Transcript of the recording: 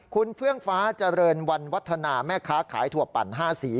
คุณเฟื่องฟ้าเจริญวันวัฒนาแม่ค้าขายถั่วปั่น๕สี